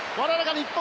日本！